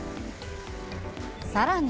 さらに。